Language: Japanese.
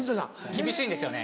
厳しいんですよね。